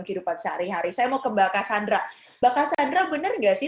kehidupan sehari hari saya mau ke mbak cassandra mbak cassandra benar nggak sih